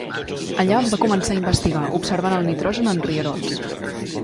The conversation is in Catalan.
Allà va començar a investigar observant el nitrogen en rierols.